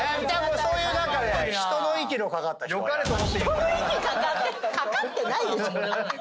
人の息かかってないでしょ。